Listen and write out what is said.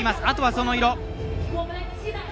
あとは、その色。